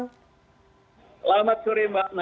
selamat sore mbak nana